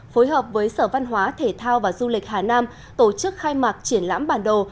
phối hợp với sở văn hóa thể thao và du lịch hà nam tổ chức khai mạc triển lãm bản đồ